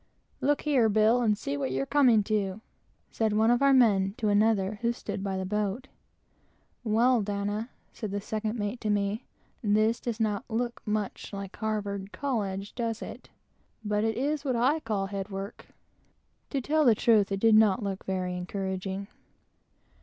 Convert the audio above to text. "Look here, Bill, and see what you're coming to!" said one of our men to another who stood by the boat. "Well, D ," said the second mate to me, "this does not look much like Cambridge college, does it? This is what I call 'head work.'" To tell the truth, it did not look very encouraging.